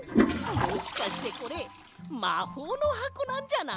もしかしてこれまほうのはこなんじゃない？